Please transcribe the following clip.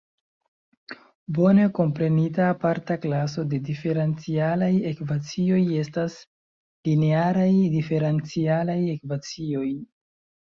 Bone komprenita aparta klaso de diferencialaj ekvacioj estas linearaj diferencialaj ekvacioj.